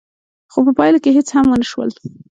خو په پايله کې هېڅ هم ونه شول.